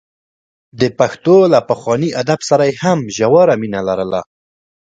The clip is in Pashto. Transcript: د پښتو له پخواني ادب سره یې هم ژوره مینه لرله.